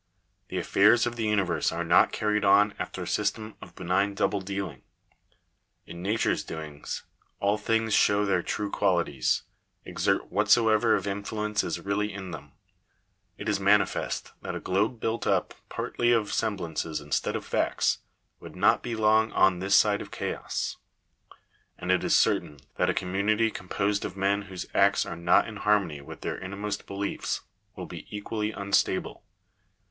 The affairs of the universe are not carried on after a system of benign double dealing. In nature's doings all things show their true qualities — exert whatsoever of influence is really in them. It is manifest that a globe built up partly of semblances instead of facts, would not be long on this side chaos. And it is certain that a community composed of men whose acts are not in harmony with their innermost beliefs, will be equally unstable.